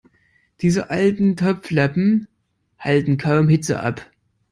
Diese alten Topflappen halten kaum Hitze ab.